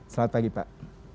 selamat pagi pak